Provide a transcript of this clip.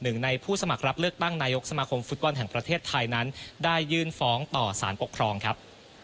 หนึ่งในผู้สมัครรับเลือกตั้งนายกสมาคมฟุตบอลแห่งประเทศไทยนั้นได้ยื่นฟ้องต่อสารปกครองครับ